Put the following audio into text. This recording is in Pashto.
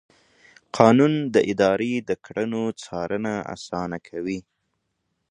قانون د ادارې د کړنو څارنه اسانه کوي.